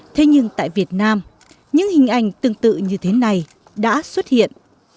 thế nhưng tại việt nam những hình ảnh tương tự như thế này đã xuất hiện